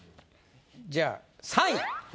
じゃあ３位。